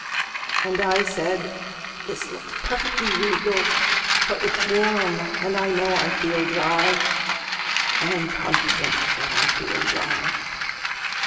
And I said: "This looks perfectly regal, For it's warm, and I know I feel dry, I am confident that I feel dry.